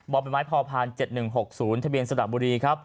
บ่อเป็นไม้พอผ่าน๗๑๖๐ทะเบียนสระบุรี